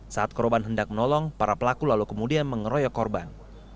saat korban hendak menolong para pelaku lalu kemudian mengeroyok korban